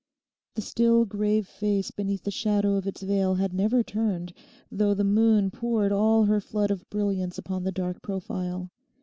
The still grave face beneath the shadow of its veil had never turned, though the moon poured all her flood of brilliance upon the dark profile.